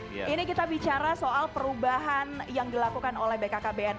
ini kita bicara soal perubahan yang dilakukan oleh bkkbn